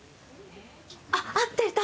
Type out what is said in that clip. あっ、合っていた。